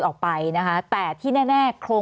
สวัสดีครับทุกคน